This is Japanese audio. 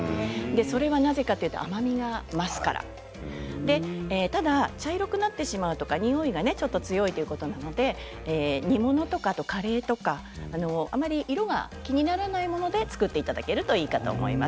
それは、なぜかというと甘みが増すからただ茶色くなってしまうとかにおいが強いということなので煮物とかカレーとか、あまり色が気にならないもので作っていただけるといいかと思います。